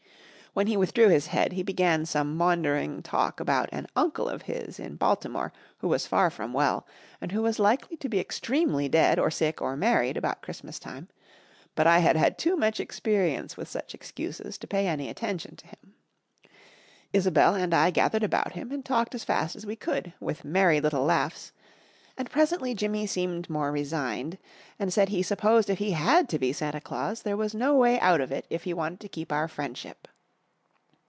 When he withdrew his head, he began some maundering talk about, an uncle of his in Baltimore who was far from well, and who was likely to be extremely dead or sick or married about Christmas time, but I had had too much experience with such excuses to pay any attention to him. Isobel and I gathered about him and talked as fast as we could, with merry little laughs, and presently Jimmy seemed more resigned, and said he supposed if he had to be Santa Claus there was no way out of it if he wanted t o keep our friendship.